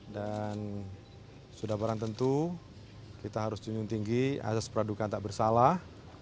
dan sudah barang tentu kita harus cunyung tinggi asas peradukan tak bersalah